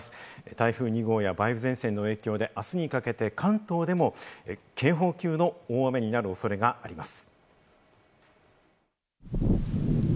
台風２号や梅雨前線の影響で、あすにかけて関東でも警報級の大雨になる恐れがあります。